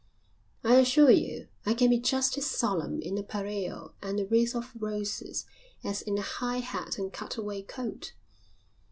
"I assure you, I can be just as solemn in a pareo and a wreath of roses, as in a high hat and a cut away coat."